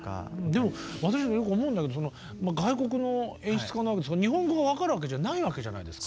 でも私もよく思うんだけど外国の演出家なわけですから日本語が分かるわけじゃないわけじゃないですか。